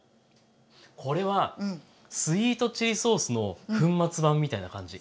これはスイートチリソースの粉末版みたいな感じ。